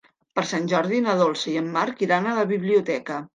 Per Sant Jordi na Dolça i en Marc iran a la biblioteca.